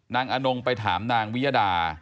อนงไปถามนางวิยดา